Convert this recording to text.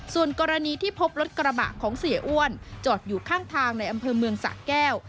ส่วนกรณีที่พบรถกระบะของเสียอ้วนจอดอยู่ข้างทางในอำเภอเมืองสะแก้ว